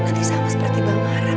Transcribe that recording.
nanti sama seperti bang mara